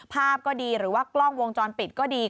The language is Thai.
ภาพก็ดีหรือว่ากล้องวงจรปิดก็ดี